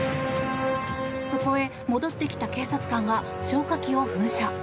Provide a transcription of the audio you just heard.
そこへ、戻ってきた警察官が消火器を噴射。